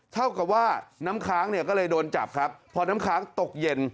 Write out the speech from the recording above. เท่ากับว่าน้ำค้างเนี่ยก็เลยโดนจับครับพอน้ำค้างตกเย็น